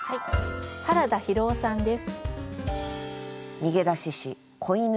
原田浩生さんです。